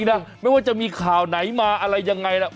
นะไม่ว่าจะมีข่าวไหนมาอะไรยังไงล่ะ